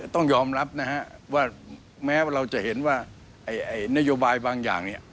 ต้องยอมรับนะฮะว่าแม้ว่าเราจะเห็นว่านโยบายบางอย่างเนี่ย